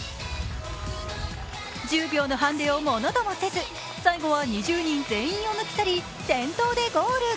１０秒のハンデをものともせず、最後は２０人全員を抜き去り先頭でゴール。